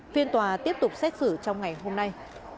phiên tòa tiếp tục xét xử trong ngày hôm nay